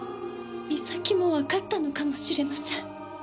美咲もわかったのかもしれません。